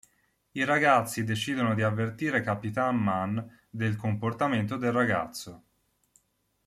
I ragazzi decidono di avvertire Capitan Man del comportamento del ragazzo.